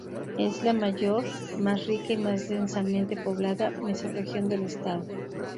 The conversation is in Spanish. Es la mayor, más rica y más densamente poblada mesorregión del estado.